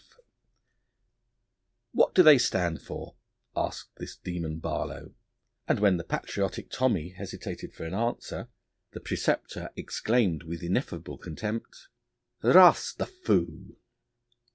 F.' 'What do they stand for?' asked this demon Barlow. And when the patriotic Tommy hesitated for an answer, the preceptor exclaimed with ineffable contempt, 'Race de fous'!